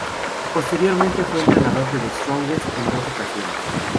Posteriormente fue Entrenador de The Strongest en dos ocasiones.